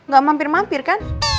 gak mampir mampir kan